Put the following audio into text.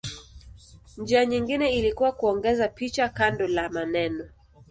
Njia nyingine ilikuwa kuongeza picha kando la maneno.